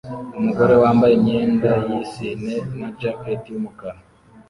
Umugore wambaye imyenda yisine na jack yumukara